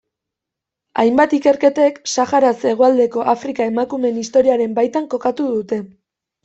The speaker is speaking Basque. Hainbat ikerketek Saharaz hegoaldeko Afrika emakumeen historiaren baitan kokatu dute.